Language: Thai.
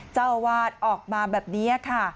เจ้าอาวาสออกมาแบบนี้ค่ะ